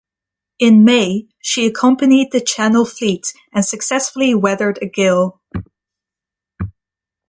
In May, she accompanied the Channel fleet and successfully weathered a gale.